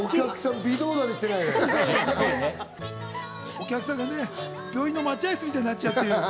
お客さんが病院の待合室みたいになっちゃうっていう。